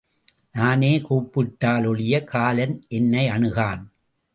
நானே கூப்பிட்டா லொழிய காலன் எனையணுகான்.